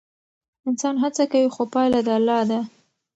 انسان هڅه کوي خو پایله د الله ده.